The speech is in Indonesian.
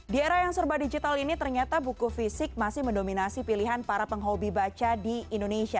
di era yang serba digital ini ternyata buku fisik masih mendominasi pilihan para penghobi baca di indonesia